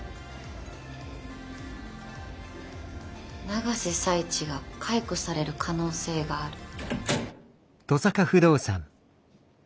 永瀬財地が解雇される可能性がある？